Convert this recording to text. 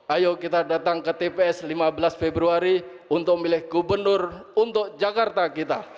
ayo kita datang ke tps lima belas februari untuk milih gubernur untuk jakarta kita